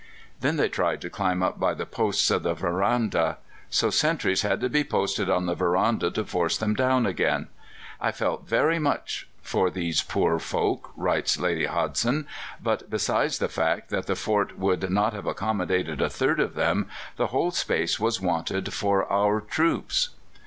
Then they tried to climb up by the posts of the veranda. So sentries had to be posted on the veranda to force them down again. "I felt very much for these poor folk," writes Lady Hodgson; "but, besides the fact that the fort would not have accommodated a third of them, the whole space was wanted for our troops."